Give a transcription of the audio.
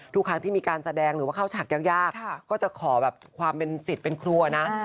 ทุกครั้งที่มีการแสดงหรือว่าเข้าฉากยากก็จะขอแบบความเป็นสิทธิ์เป็นครัวนะ